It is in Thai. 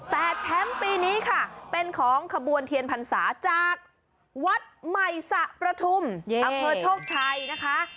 แต่แชมป์ปีนี้ค่ะเป็นของขบวนเทียนพรรษาจากวัดใหม่สะประทุมอำเภอโชคชัยนะคะ